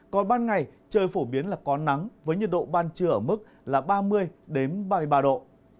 còn ban ngày trời phổ biến là có nắng với nhiệt độ ban trưa ở mức là ba mươi ba mươi ba độ